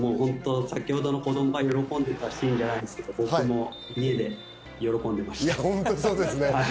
先ほど子供が喜んでたシーンじゃないですけど、とても家で喜んでました。